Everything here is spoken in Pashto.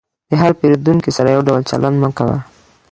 د هر پیرودونکي سره یو ډول چلند مه کوه.